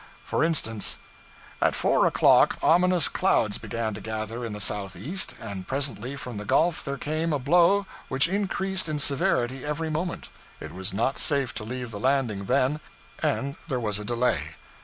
For instance 'At 4 o'clock ominous clouds began to gather in the south east, and presently from the Gulf there came a blow which increased in severity every moment. It was not safe to leave the landing then, and there was a delay.